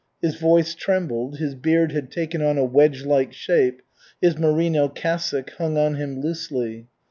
His voice trembled, his beard had taken on a wedge like shape, his merino cassock hung on him loosely.